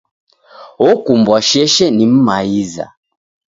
Okumbwa sheshe ni m'maiza.